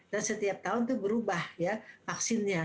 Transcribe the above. dan setiap tahun itu berubah ya vaksinnya